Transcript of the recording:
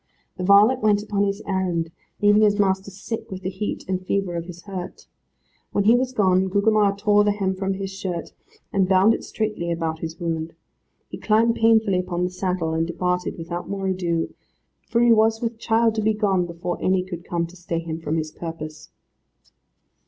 The varlet went upon his errand, leaving his master sick with the heat and fever of his hurt. When he was gone, Gugemar tore the hem from his shirt, and bound it straitly about his wound. He climbed painfully upon the saddle, and departed without more ado, for he was with child to be gone before any could come to stay him from his purpose.